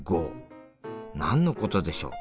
何のことでしょう？